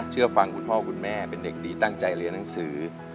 เชื่อฟังคุณพ่อคุณแม่เป็นเด็กดีตั้งใจเรียนหนังสือ